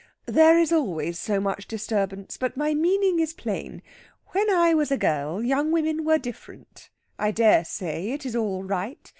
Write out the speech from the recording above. "There is always so much disturbance; but my meaning is plain. When I was a girl young women were different.... I dare say it is all right.